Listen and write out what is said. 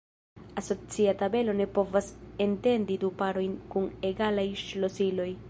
Asocia tabelo ne povas enteni du parojn kun egalaj ŝlosiloj.